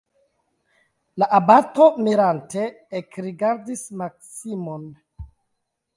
La abato mirante ekrigardis Maksimon.